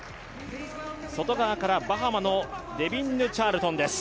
外側からバハマのデビンヌ・チャールトンです。